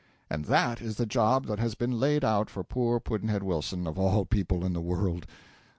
And that is the job that has been laid out for poor Pudd'nhead Wilson, of all people in the world!